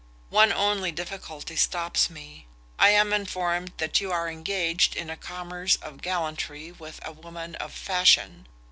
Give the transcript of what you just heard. One only difficulty stops me: I am informed you are engaged in a commerce of gallantry with a woman of fashion.